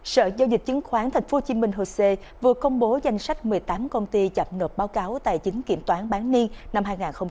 sở giao dịch chứng khoán tp hcm hosea vừa công bố danh sách một mươi tám công ty chậm nộp báo cáo tài chính kiểm toán bán niên năm hai nghìn hai mươi